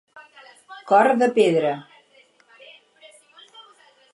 Cor de pedra